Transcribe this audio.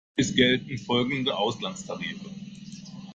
Es gelten folgende Auslandstarife.